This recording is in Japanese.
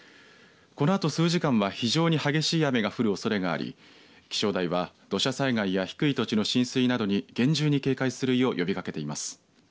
このあと数時間は非常に激しい雨が降るおそれがあり気象台は土砂災害や低い土地の浸水などに厳重に警戒するよう呼びかけています。